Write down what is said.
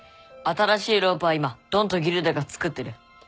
新しいロープは今ドンとギルダが作ってる。